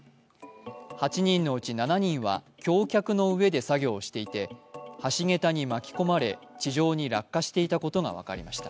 ８人のうち７人は橋脚の上で作業をしていて橋桁に巻き込まれ地上に落下していたことが分かりました。